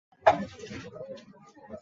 扳机扣力很轻。